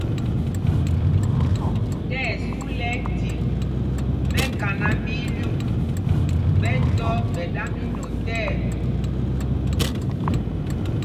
Tí ɛsu lɛ ɛtil mɛkaná mɛ ílyûk, ɓɛ tɔ́ ɓɛ̌ ɗa mí notɛɛ.